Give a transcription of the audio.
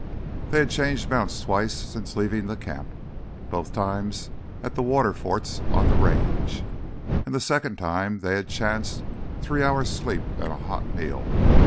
They had changed mounts twice since leaving the camp, both times at the water forts on the Range. And the second time they had chanced three hours' sleep and a hot meal.